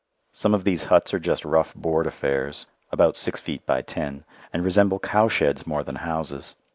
Some of these huts are just rough board affairs, about six feet by ten, and resemble cow sheds more than houses.